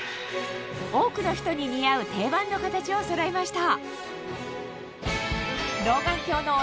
多くの人に似合うをそろえました